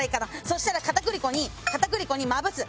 そしたら片栗粉に片栗粉にまぶす。